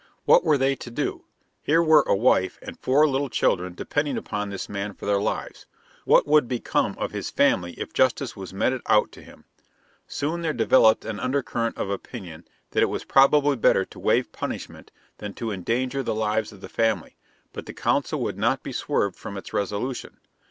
What were they to do? Here were a wife and four little children depending upon this man for their lives. What would become of his family if justice was meted out to him? Soon there developed an undercurrent of opinion that it was probably better to waive punishment than to endanger the lives of the family; but the council would not be swerved from its resolution.